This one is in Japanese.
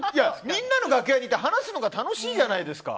みんなの楽屋に行って話すのが楽しいじゃないですか。